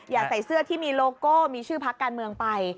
ใส่เสื้อที่มีโลโก้มีชื่อพักการเมืองไป